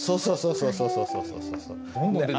そうそうそうそう。